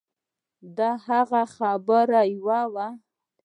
د هغه خبره يوه وه.